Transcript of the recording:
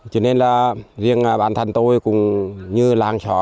cho nên là riêng bản thân tôi cũng như làng xóm